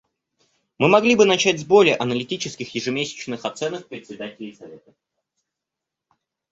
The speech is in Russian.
Мы могли бы начать с более аналитических ежемесячных оценок председателей Совета.